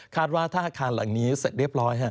ว่าถ้าอาคารหลังนี้เสร็จเรียบร้อย